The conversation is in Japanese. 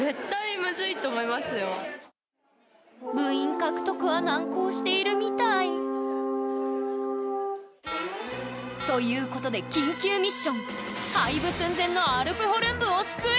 部員獲得は難航しているみたい。ということで緊急ミッション！